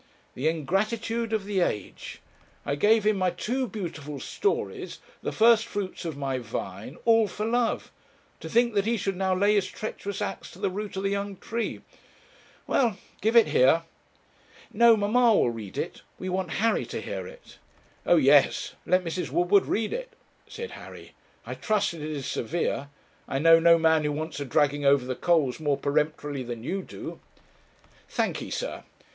The ingratitude of the age! I gave him my two beautiful stories, the first fruits of my vine, all for love; to think that he should now lay his treacherous axe to the root of the young tree well, give it here.' 'No mamma will read it we want Harry to hear it.' 'O yes let Mrs. Woodward read it,' said Harry. 'I trust it is severe. I know no man who wants a dragging over the coals more peremptorily than you do.' 'Thankee, sir.